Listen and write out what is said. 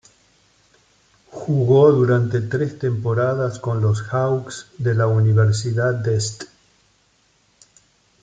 Jugó durante tres temporadas con los "Hawks" de la Universidad de St.